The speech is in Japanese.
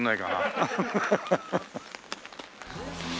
ハハハハ。